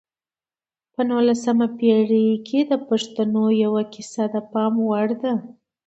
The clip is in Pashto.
په نولسمه پېړۍ کې د پښتنو یوه کیسه د پام وړ ده.